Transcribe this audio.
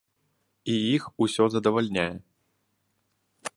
І іх усё задавальняе.